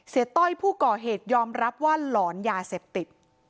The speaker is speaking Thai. ต้อยผู้ก่อเหตุยอมรับว่าหลอนยาเสพติด